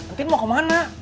entin mau kemana